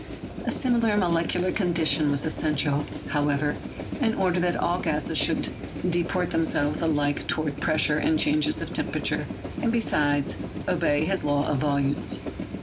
A similar molecular condition was essential, however, in order that all gases should de port themselves alike toward pressure and changes of temperature, and, besides, obey his law of volumes.